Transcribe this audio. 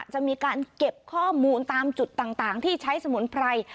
จะมีการเก็บข้อมูลตามจุดต่างที่ใช้สมุนไพร